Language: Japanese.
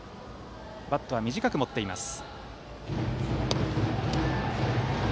バットは短く持っています。